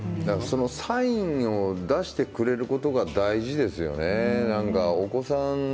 サインを出してくれることが大事ですね。